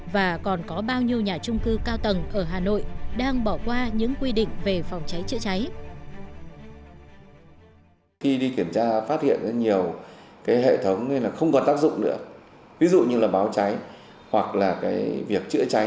và còn có bao nhiêu nhà trung cư cao tầng ở hà nội đang bỏ qua những quy định về phòng cháy chữa cháy